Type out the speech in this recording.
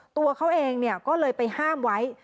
ตัวเขาเองก็เลยไปห้ามไว้